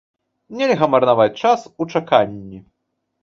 Нельга марнаваць час у чаканні!